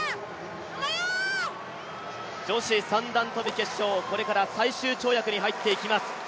女子三段跳決勝、これから最終跳躍に入っていきます。